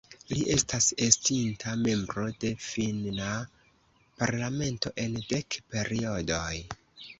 Li estas estinta membro de finna parlamento en dek periodoj.